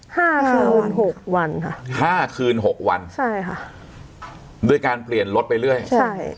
คืนหกวันค่ะห้าคืนหกวันใช่ค่ะด้วยการเปลี่ยนรถไปเรื่อยใช่